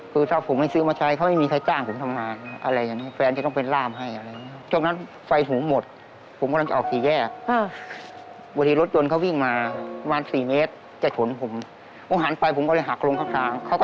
คือถ้าผมไม่ซื้อมาใช้เขาไม่มีใครจ้างผมทำงาน